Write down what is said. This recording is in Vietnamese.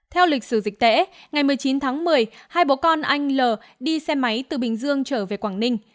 theo lịch sử dịch tễ ngày một mươi chín tháng một mươi hai bố con anh l đi xe máy từ bình dương trở về quảng ninh